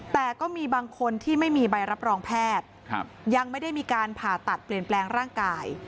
แต่ก็มีบางคนที่ไม่มีใบรับรองแพทย์ยังไม่ได้มีการผ่าตัดเปลี่ยนแปลงร่างกาย